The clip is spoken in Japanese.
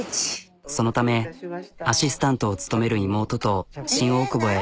そのためアシスタントを務める妹と新大久保へ。